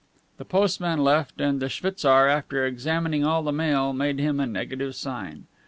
The postman left, and the schwitzar, after examining all the mail, made him a negative sign.